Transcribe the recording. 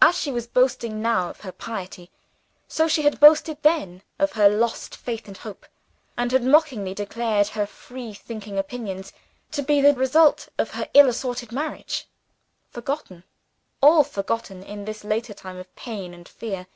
As she was boasting now of her piety, so she had boasted then of her lost faith and hope, and had mockingly declared her free thinking opinions to be the result of her ill assorted marriage. Forgotten all forgotten, in this later time of pain and fear.